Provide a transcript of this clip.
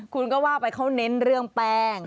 คุณก็ว่าไปเขาเน้นเรื่องแป้ง